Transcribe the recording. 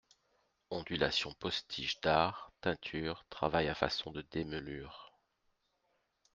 Ondulations-postiches d'art, teintures, travail à façon de démêlures.